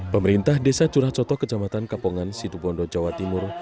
pemerintah desa curacoto kejamatan kapongan sidubondo jawa timur